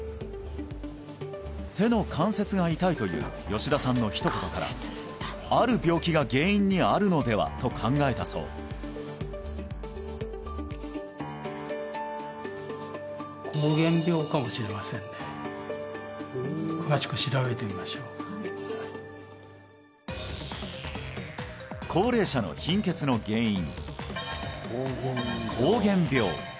手の関節が痛いという吉田さんのひと言からある病気が原因にあるのではと考えたそう膠原病かもしれませんね詳しく調べてみましょう高齢者の貧血の原因